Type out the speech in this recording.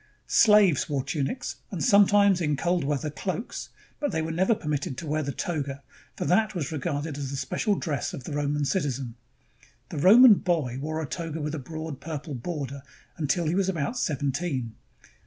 Slaves wore tunics and sometimes, in cold weather, cloaks ; but they were never permitted to wear the toga, for that was regarded as the special dress of the Roman citizen. The Roman boy wore a toga with a broad purple border until he was about seventeen.